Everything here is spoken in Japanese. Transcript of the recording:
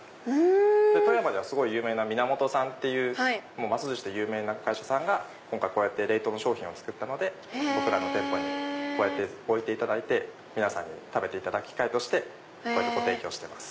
富山ではすごい有名な源さんマスずしで有名な会社さんが今回こうやって冷凍の商品を作ったので僕らの店舗にこうやって置いていただいて皆さんに食べていただく機会としてご提供してます。